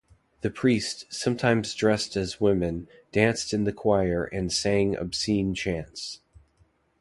The priests, sometimes dressed as women, danced in the choir and sang obscene chants.